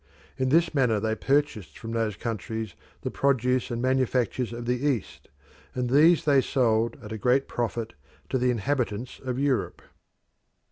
In this manner they purchased from those countries the produce and manufactures of the East, and these they sold at a great profit to the inhabitants of Europe.